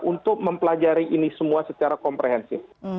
untuk mempelajari ini semua secara komprehensif